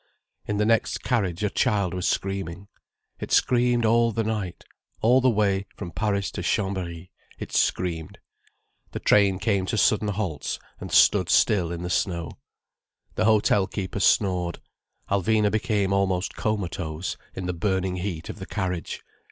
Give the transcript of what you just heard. In the next carriage a child was screaming. It screamed all the night—all the way from Paris to Chambéry it screamed. The train came to sudden halts, and stood still in the snow. The hotel keeper snored. Alvina became almost comatose, in the burning heat of the carriage.